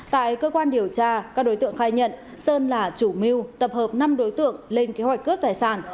tại cơ quan điều tra các đối tượng khai nhận sơn là chủ mưu tập hợp năm đối tượng lên kế hoạch cướp tài sản